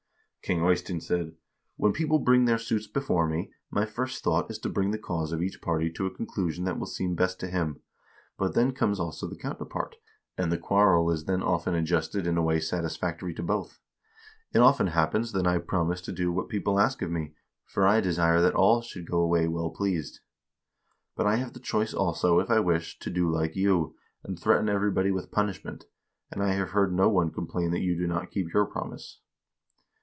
King Eystein said: 'When people bring their suits before me, my first thought is to bring the cause of each party to a conclusion that will seem best to him ; but then comes also the counterpart, and the quarrel is then often ad justed in a way satisfactory to both. It often happens that I prom ise to do what people ask of me, for I desire that all should go away well pleased. But I have the choice, also, if I wish, to do like you, and threaten everybody with punishment, and I have heard no one complain that you do not keep your promise.'